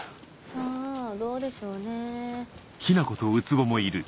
さぁどうでしょうね？